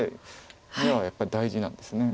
眼はやっぱり大事なんですね。